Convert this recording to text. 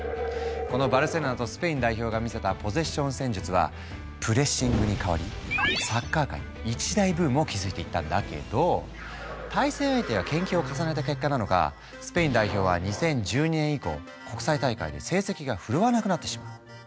このバルセロナとスペイン代表が見せたポゼッション戦術はプレッシングに変わりサッカー界に一大ブームを築いていったんだけど対戦相手が研究を重ねた結果なのかスペイン代表は２０１２年以降国際大会で成績が振るわなくなってしまう。